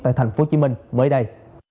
tại tp hcm mới đây